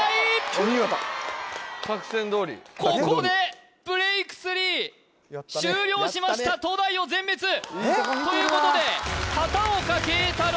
お見事作戦どおりここでブレイク３終了しました東大王全滅！ということで片岡桂太郎